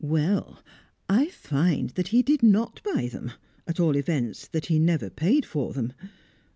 Well, I find that he did not buy them at all events that he never paid for them.